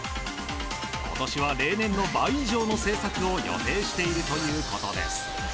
今年は例年の倍以上の製作を予定しているということです。